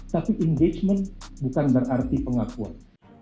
tapi engagement bukan berarti pengakuan